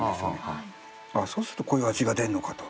そうするとこういう味が出るのかと。